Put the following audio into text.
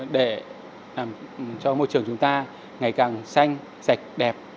để cho môi trường chúng ta ngày càng xanh sạch đẹp